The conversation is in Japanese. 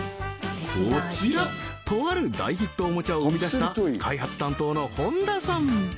こちらとある大ヒットおもちゃを生み出した開発担当の誉田さん